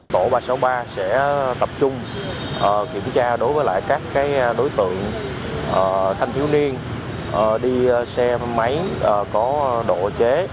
tổ ba trăm sáu mươi ba sẽ tập trung kiểm tra đối với các đối tượng thanh thiếu niên đi xe máy có độ chế